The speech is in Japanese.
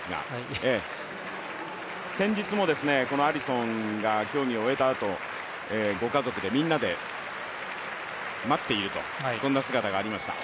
先日もこのアリソンが競技を終えた後、ご家族みんなで待っているという、そんな姿がありました。